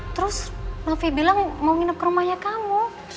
terus novi bilang mau nginep rumahnya kamu